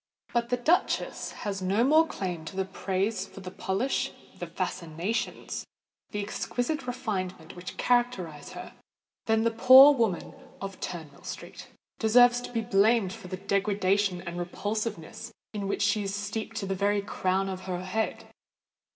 But the duchess has no more claim to praise for the polish—the fascinations—the exquisite refinement which characterise her, than the poor woman of Turnmill Street deserves to be blamed for the degradation and repulsiveness in which she is steeped to the very crown of her head.